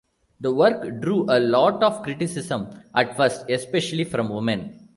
The work drew a lot of criticism at first, especially from women.